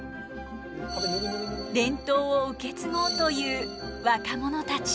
伝統を受け継ごうという若者たち。